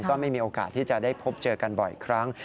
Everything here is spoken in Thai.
ก็ไม่มีโอกาสที่จะได้พบเจอกันบ่อยครั้ง